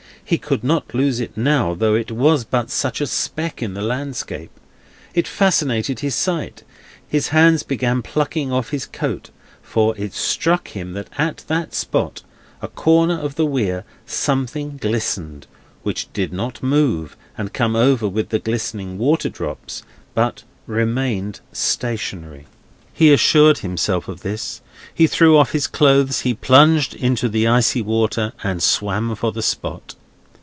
He could not lose it now, though it was but such a speck in the landscape. It fascinated his sight. His hands began plucking off his coat. For it struck him that at that spot—a corner of the Weir—something glistened, which did not move and come over with the glistening water drops, but remained stationary. He assured himself of this, he threw off his clothes, he plunged into the icy water, and swam for the spot.